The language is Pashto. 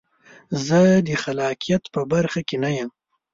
زه د خلاقیت په برخه کې نه یم.